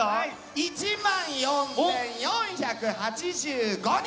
１万４４８５人！